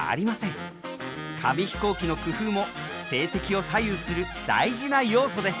紙飛行機の工夫も成績を左右する大事な要素です。